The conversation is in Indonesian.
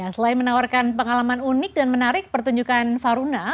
selain menawarkan pengalaman unik dan menarik pertunjukan faruna